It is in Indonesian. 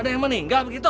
ada yang meninggal begitu